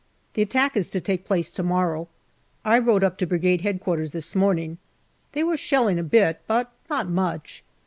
The attack is to take place to morrow. I rode up to Brigade H.Q. this morning. They were shelling a bit, but not much.